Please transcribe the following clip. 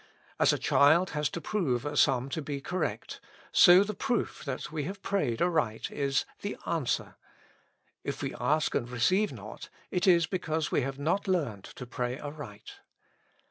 As a child has to prove a sum to be cor rect, so the proof that we have prayed aright is, the atiswer. If we ask and receive not, it is because we have not learned to pray aright.